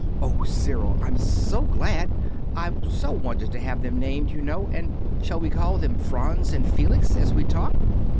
"Oh, Cyril, I'm so glad! I've so wanted to have them named, you know! And shall we call them Franz and Felix, as we'd talked?"